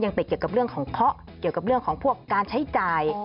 ติดเกี่ยวกับเรื่องของเคาะเกี่ยวกับเรื่องของพวกการใช้จ่าย